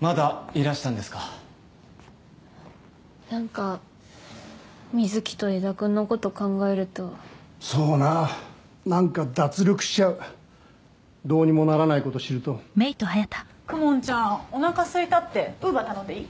まだいらしたんですかなんか瑞貴と江田君のこと考えるとそうななんか脱力しちゃうどうにもならないこと知ると公文ちゃんおなかすいたってＵｂｅｒ頼んでいい？